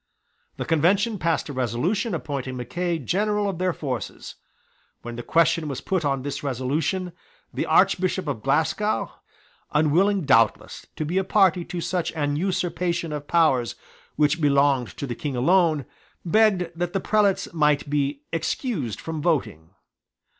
The Convention passed a resolution appointing Mackay general of their forces. When the question was put on this resolution, the Archbishop of Glasgow, unwilling doubtless to be a party to such an usurpation of powers which belonged to the King alone, begged that the prelates might be excused from voting.